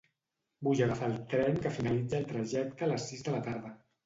Vull agafar el tren que finalitza el trajecte a les sis de la tarda.